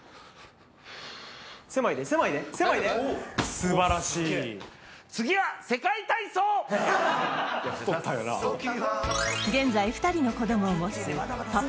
すばらしい現在２人の子供を持つパパ